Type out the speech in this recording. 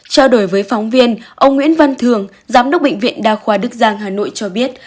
trao đổi với phóng viên ông nguyễn văn thường giám đốc bệnh viện đa khoa đức giang hà nội cho biết